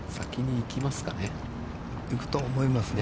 行くと思いますね。